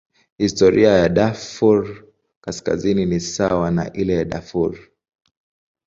Historia ya Darfur Kaskazini ni sawa na ile ya Darfur.